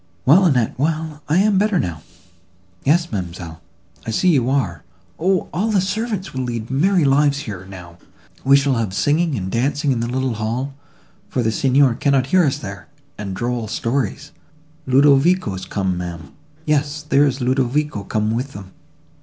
"Well, Annette, well, I am better now." "Yes, ma'amselle, I see you are. O! all the servants will lead merry lives here, now; we shall have singing and dancing in the little hall, for the Signor cannot hear us there—and droll stories—Ludovico's come, ma'am; yes, there is Ludovico come with them!